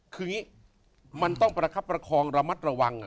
คืออย่างนี้มันต้องประคับประคองระมัดระวัง